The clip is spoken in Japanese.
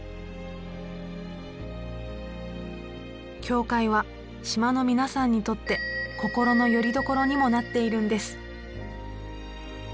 教会は島の皆さんにとって心のよりどころにもなっているんです。